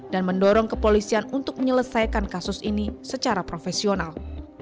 dan mendorong kepolisian untuk menyelesaikan kasus ini secara profesional